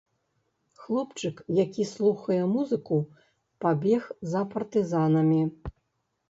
Хлопчык, які слухае музыку, пабег за партызанамі.